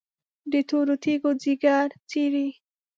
د تورو تیږو ځیګر څیري،